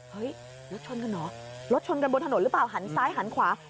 เฮ้ยรถชนกันเหรอรถชนกันบนถนนหรือเปล่าหันซ้ายหันขวา